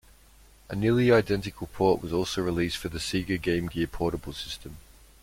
A nearly identical port was also released for the Sega Game Gear portable system.